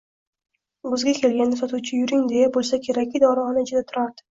O‘ziga kelganida, sotuvchi yuring degan bo‘lsa kerakki, dorixona ichida turardi